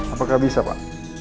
apakah bisa pak